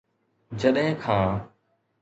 جڏهن کان